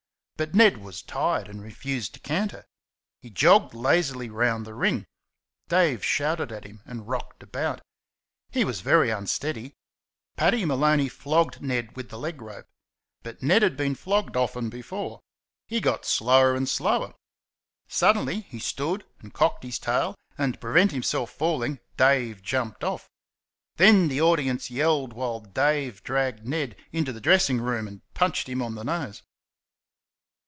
But Ned was tired and refused to canter. He jogged lazily round the ring. Dave shouted at him and rocked about. He was very unsteady. Paddy Maloney flogged Ned with the leg rope. But Ned had been flogged often before. He got slower and slower. Suddenly, he stood and cocked his tail, and to prevent himself falling, Dave jumped off. Then the audience yelled while Dave dragged Ned into the dressing room and punched him on the nose.